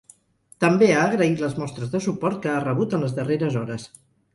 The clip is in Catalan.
També ha agraït les mostres de suport que ha rebut en les darreres hores.